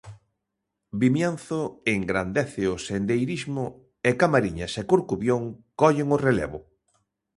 Vimianzo engrandece o sendeirismo e Camariñas e Corcubión collen o relevo.